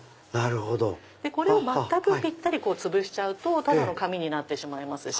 これを全くぴったりつぶすとただの紙になってしまいますし